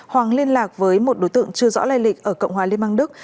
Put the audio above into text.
hoàng liên lạc với một đối tượng chưa rõ lây lịch ở cộng hòa liên bang đức